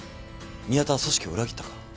宮田は組織を裏切ったか？